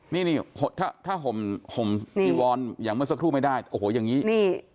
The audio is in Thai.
นี่ถ้าผมฮีวอนอย่างเมื่อสักครู่ไม่ได้โอ้โหอย่างนี้